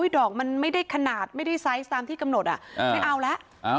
ดอกมันไม่ได้ขนาดไม่ได้ไซส์ตามที่กำหนดไม่เอาแล้ว